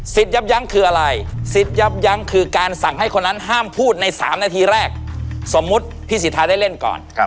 ยับยั้งคืออะไรสิทธิ์ยับยั้งคือการสั่งให้คนนั้นห้ามพูดใน๓นาทีแรกสมมุติพี่สิทธาได้เล่นก่อน